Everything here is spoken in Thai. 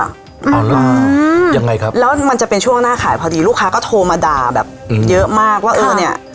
ยังไงครับแล้วมันจะเป็นช่วงหน้าขายพอดีลูกค้าก็โทรมาด่าแบบเยอะมากว่าเออเนี้ย